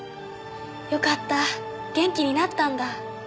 よかった元気になったんだ。